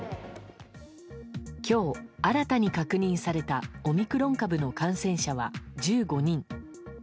今日、新たに確認されたオミクロン株の感染者は１５人。